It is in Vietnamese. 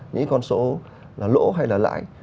những con số là lỗ hay là lãi